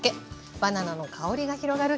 バナナの香りが広がる